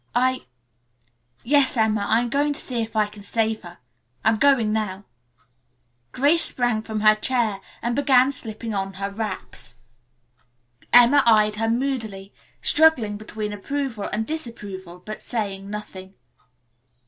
I yes, Emma, I'm going to see if I can save her. I'm going now." Grace sprang from her chair and began slipping into her wraps. Emma eyed her moodily, struggling between approval and disapproval, but saying nothing.